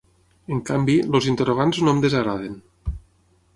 En canvi, els interrogants no em desagraden.